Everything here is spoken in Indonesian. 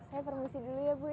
saya permisi dulu ya bu